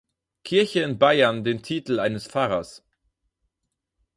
Kirche in Bayern den Titel eines Pfarrers.